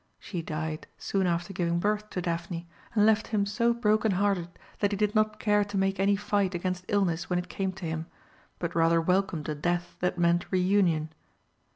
She died soon after giving birth to Daphne, and left him so broken hearted that he did not care to make any fight against illness when it came to him, but rather welcomed a death that meant re union.